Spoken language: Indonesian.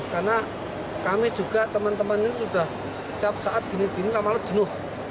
karena kami juga teman teman ini sudah setiap saat gini gini malah jenuh